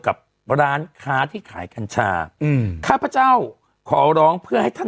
กับร้านค้าที่ขายกัญชาอืมข้าพเจ้าขอร้องเพื่อให้ท่าน